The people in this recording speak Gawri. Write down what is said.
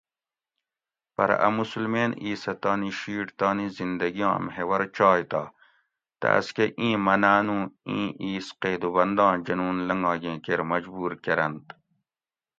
پرہ اۤ مسلمین اِیسہ تانی شِیٹ تانی زِندگی آں محور چاۓ تہ تاۤس کہ اِیں منانوں اِیں اِیس قیدوبنداں جنون لنگاگیں کیر مجبور کۤرنت